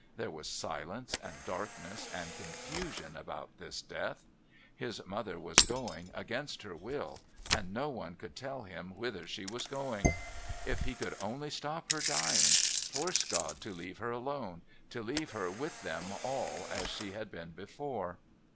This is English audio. There was silence and darkness and confusion about this Death. His mother was going, against her will, and no one could tell him whither she was going. If he could only stop her dying, force God to leave her alone, to leave her with them all as she had been before...